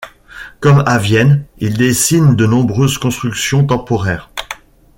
Comme à Vienne, il dessine de nombreuses constructions temporaires.